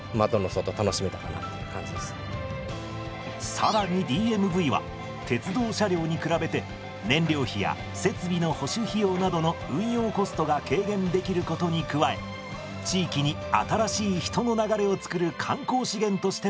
更にＤＭＶは鉄道車両に比べて燃料費や設備の保守費用などの運用コストが軽減できることに加え地域に新しい人の流れを作る観光資源としても期待されています。